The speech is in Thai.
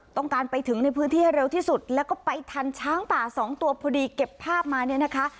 ไปถึงในพื้นที่ให้เร็วที่สุดแล้วก็ไปทันช้างป่าสองตัวพอดีเก็บภาพมาเนี่ยนะคะ